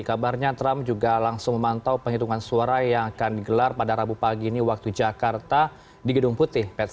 kabarnya trump juga langsung memantau penghitungan suara yang akan digelar pada rabu pagi ini waktu jakarta di gedung putih